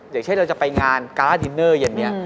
อย่างเช่นเราจะไปงานการ์ดินเนอร์เย็นนี้